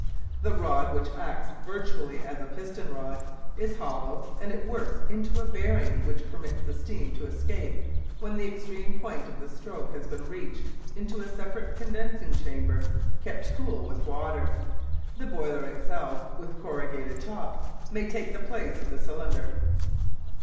The rod, which acts virtually as a piston rod, is hollow, and it works into a bearing which permits the steam to escape when the extreme point of the stroke has been reached into a separate condensing chamber kept cool with water. The boiler itself, with corrugated top, may take the place of the cylinder.